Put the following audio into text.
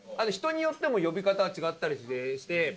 人によっても呼び方が違ったりして。